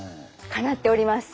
叶っております。